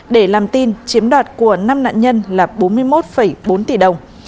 để làm tin chiếm đoạt của năm nạn nhân là bốn mươi một bốn tỷ đồng